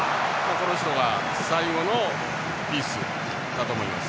この人が最後のピースだと思います。